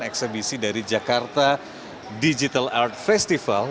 eksebisi dari jakarta digital art festival